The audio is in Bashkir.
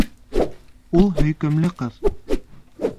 Ул һөйкөмлө ҡыҙ.